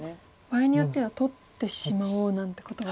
場合によっては取ってしまおうなんてことは。